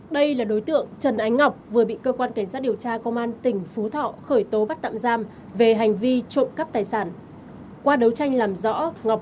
đây là đối tượng trần ánh ngọc vừa bị cơ quan cảnh sát điều tra công an tỉnh phú thọ khởi tố bắt tạm giam về hành vi trộm cắp tài sản